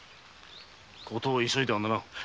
ことを急いではならぬ。